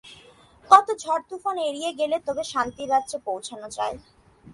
কত ঝড় তুফান এড়িয়ে গেলে তবে শান্তির রাজ্যে পৌঁছান যায়।